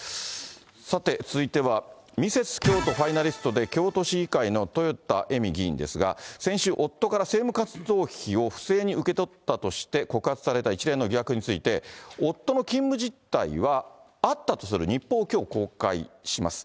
さて、続いてはミセス京都ファイナリストで京都市議会の豊田恵美議員ですが、先週、夫から政務活動費を不正に受け取ったとして、告発された一連の疑惑について、夫の勤務実態はあったとする日報をきょう公開します。